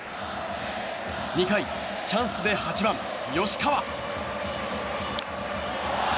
２回、チャンスで８番、吉川。